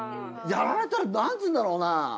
やられたらなんつうんだろうな。